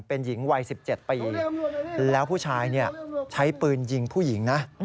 เป็นหญิงวัย๑๗ปีแล้วผู้ชายใช้ปืนยิงผู้หญิงนะ